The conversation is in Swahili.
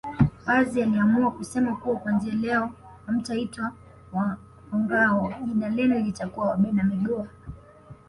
Pazi aliamua kusema kuwa kuanzia leo hamtaitwa Wangâhoo jina lenu litakuwa Wabena migoha